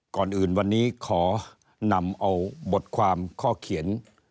ก่อนอื่นวันนี้ขอนำเอาบทความข้อเขียน